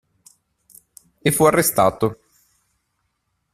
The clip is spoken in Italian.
E fu arrestato.